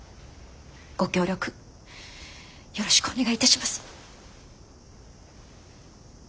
ご協力よろしくお願いいたします。